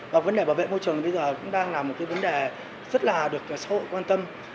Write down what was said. và vấn đề bảo vệ môi trường bây giờ cũng đang là một cái vấn đề rất là được xã hội quan tâm